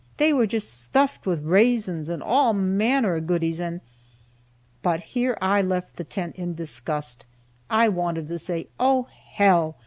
They were jest stuffed with reezons, and all manner of goodies, and " But here I left the tent in disgust. I wanted to say, "Oh, hell!"